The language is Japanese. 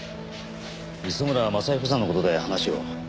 磯村正彦さんの事で話を。